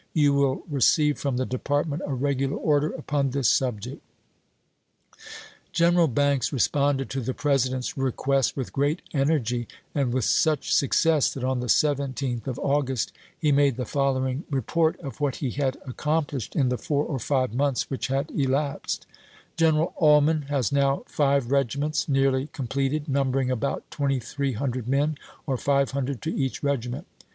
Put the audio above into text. You will receive from the Department a regular order upon this subject." General Banks responded to the Presi dent's request with great energy and with such success that on the 17th of August he made the following report of what he had accomplished in the four or five months which had elapsed :" Gen eral Ullman has now five regiments nearly com pleted, numbering about 2300 men, or 500 to each regiment.